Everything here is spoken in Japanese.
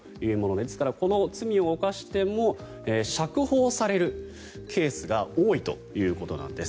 ですから、この罪を犯しても釈放されるケースが多いということなんです。